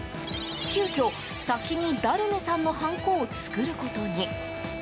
急きょ、先にダルネさんのハンコを作ることに。